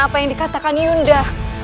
apa yang dikatakan yunda